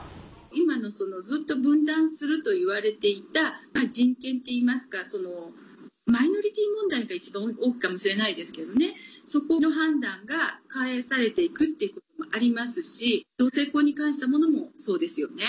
今のずっと分断すると言われていた人権っていいますかマイノリティー問題が一番大きいかもしれないですけどそこの判断が返されていくということもありますし同性婚に関したものもそうですよね。